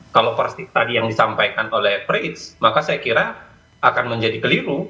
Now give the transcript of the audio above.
kalau tadi yang disampaikan oleh prince maka saya kira akan menjadi keliru